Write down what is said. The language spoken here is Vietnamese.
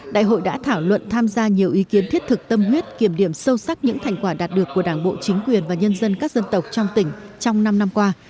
đại hội đã thảo luận tham gia nhiều ý kiến thiết thực tâm huyết kiểm điểm sâu sắc những thành quả đạt được của đảng bộ chính quyền và nhân dân các dân tộc trong tỉnh trong năm năm qua